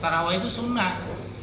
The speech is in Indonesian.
tarawih itu sunnah